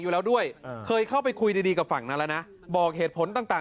อยู่แล้วด้วยเคยเข้าไปคุยดีกับฝั่งนั้นแล้วนะบอกเหตุผลต่าง